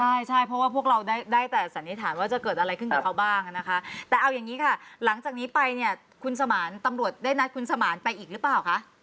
ใช่ใช่เพราะว่าพวกเราได้แต่สันนิษฐานว่าจะเกิดอะไรขึ้นกับเขาบ้างนะคะแต่เอาอย่างนี้ค่ะหลังจากนี้ไปเนี่ยคุณสมานตำรวจได้นัดคุณสมานไปอีกหรือเปล่าคะ